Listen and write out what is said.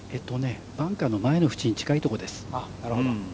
バンカーの前のふちに近いところです。